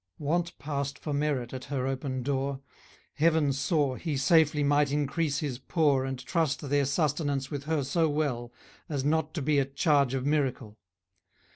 Want passed for merit at her open door: Heaven saw, he safely might increase his poor, And trust their sustenance with her so well, As not to be at charge of miracle.